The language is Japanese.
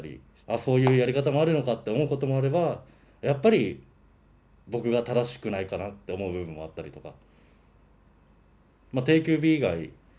ああそういうやり方もあるのかって思うこともあればやっぱり僕が正しくないかなって思う部分もあったりとか。